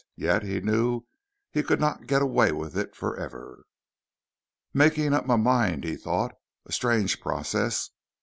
Yet he knew he could not get away with it forever. Making up my mind, he thought. A strange process.